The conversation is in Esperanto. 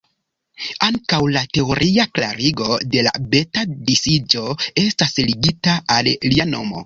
Ankaŭ la teoria klarigo de la beta-disiĝo estas ligita al lia nomo.